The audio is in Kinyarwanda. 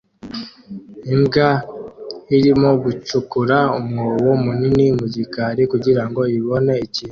Imbwa irimo gucukura umwobo munini mu gikari kugirango ibone ikintu